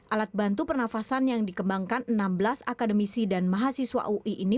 alat bantu pernafasan yang dikembangkan enam belas akademisi dan mahasiswa ui ini